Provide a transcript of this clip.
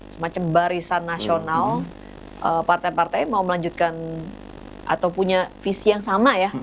semacam barisan nasional partai partai mau melanjutkan atau punya visi yang sama ya